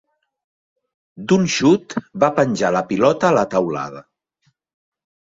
D'un xut va penjar la pilota a la teulada.